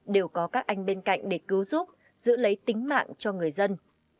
đều có các anh bên cạnh để cứu giúp giữ lấy tính mạng cho người dân